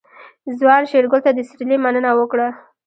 ځوان شېرګل ته د سيرلي مننه وکړه.